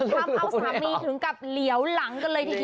ทำเอาสามีถึงกับเหลียวหลังกันเลยทีเดียว